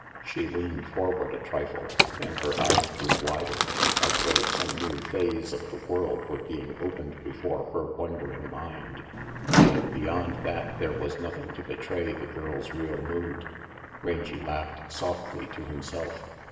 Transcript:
She leaned forward a trifle, and her eyes grew wider, as though some new phase of the world were being opened before her wondering mind; but beyond that there was nothing to betray the girl's real mood. Rangy laughed softly to himself.